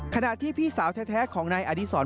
ขณะที่พี่สาวแท้ของนายอดีศร